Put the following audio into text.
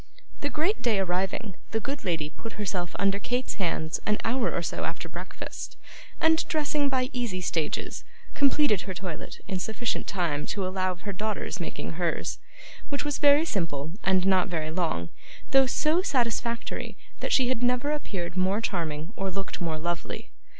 The great day arriving, the good lady put herself under Kate's hands an hour or so after breakfast, and, dressing by easy stages, completed her toilette in sufficient time to allow of her daughter's making hers, which was very simple, and not very long, though so satisfactory that she had never appeared more charming or looked more lovely.